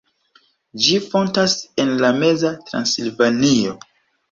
Ĝi fontas en la meza Transilvanio.